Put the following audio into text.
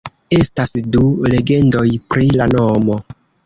Estas du legendoj pri la nomo.